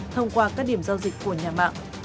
thông qua các điểm giao dịch của nhà mạng